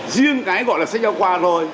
riêng cái gọi là sách giao khoa thôi